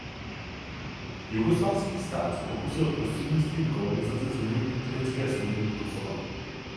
Jugoslávský stát se pokusil prostřednictvím kolonizace změnit etnické složení Kosova.